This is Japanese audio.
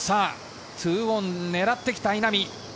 ２オンを狙ってきた稲見。